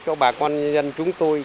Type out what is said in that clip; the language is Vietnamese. cho bà con nhân chúng tôi